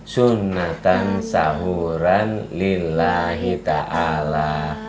sunatan sahuran lillahi ta'ala